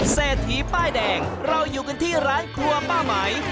เศรษฐีป้ายแดงเราอยู่กันที่ร้านครัวป้าไหม